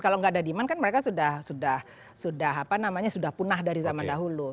kalau nggak ada demand kan mereka sudah punah dari zaman dahulu